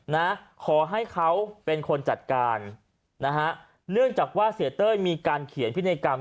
นะขอให้เขาเป็นคนจัดการนะฮะเนื่องจากว่าเสียเต้ยมีการเขียนพินัยกรรม